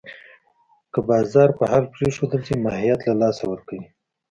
که بازار په حال پرېښودل شي، ماهیت له لاسه ورکوي.